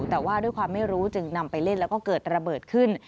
แต่ว่าด้วยความไม่รู้จึงนำไปเล่นแล้วก็เกิดระเบิดขึ้น